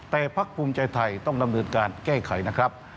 แต่พักภูมิใจไทยต้องดำเนินการแก้ไขนะครับ